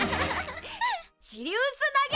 シリウス投げ！